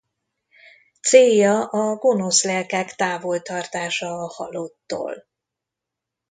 Célja a gonosz lelkek távol tartása a halottól.